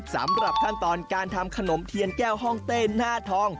สำหรับขั้นตอนการทำขนมเทียนแก้วห้องเต้นหน้าทอง